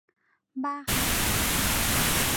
บ้าหอบฟาง